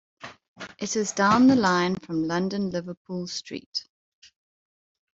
It is down the line from London Liverpool Street.